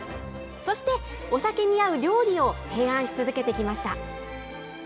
そしてお酒に合う料理を提案し続けてきました。